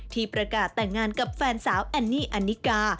ที่ประกาศแต่งงานกับแฟนสาวแอนนี่อันนิกา